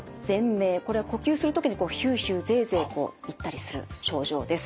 これは呼吸する時にヒューヒューゼーゼー言ったりする症状です。